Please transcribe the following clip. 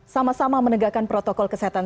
sama sama menegakkan protokol kesehatan